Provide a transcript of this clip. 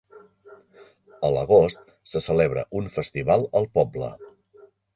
A l'agost se celebra un festival al poble.